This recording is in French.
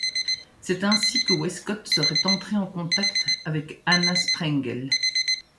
C'est ainsi que Westcott serait entré en contact avec Anna Sprengel.